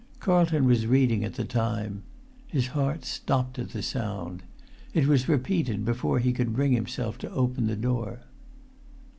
Carlton was reading at the time. His heart stopped at the sound. It was repeated before he could bring himself to open the door.